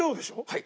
はい。